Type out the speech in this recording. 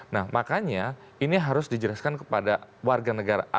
nah makanya ini harus dijelaskan kepada warga negara asing